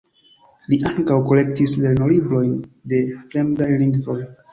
Li ankaŭ kolektis lernolibrojn de fremdaj lingvoj.